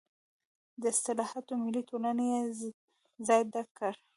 د اصلاحاتو ملي ټولنې یې ځای ډک کړ.